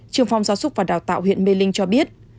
trường phòng giáo dục và đào tạo huyện mê linh cho biết